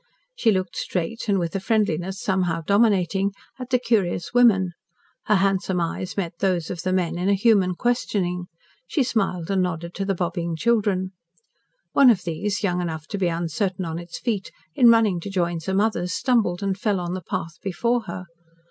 She looked straight, and with a friendliness somehow dominating, at the curious women; her handsome eyes met those of the men in a human questioning; she smiled and nodded to the bobbing children. One of these, young enough to be uncertain on its feet, in running to join some others stumbled and fell on the path before her.